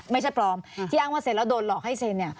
ไม่ใช่ปลอมที่อ้างว่าเซ็นแล้วโดนหลอกให้เซ็นเนี่ย